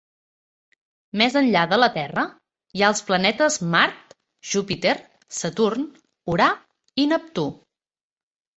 Més enllà de la Terra, hi ha els planetes Mart, Júpiter, Saturn, Urà i Neptú.